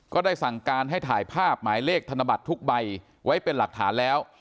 ก็ได้สั่งการให้ถ่ายภาพหมายเลขธนบัตรทุกใบไว้เป็นหลักฐานแล้ว